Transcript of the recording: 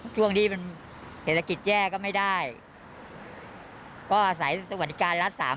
ช่วงนี้เศรษฐกิจแย่ก็ไม่ได้ก็อาศัยสวรรค์ดิการรัฐ๓๐๐ครับ